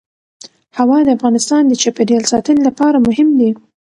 هوا د افغانستان د چاپیریال ساتنې لپاره مهم دي.